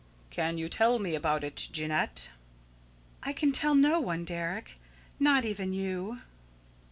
"Can you tell me about it, Jeanette?" "I can tell no one, Deryck; not even you."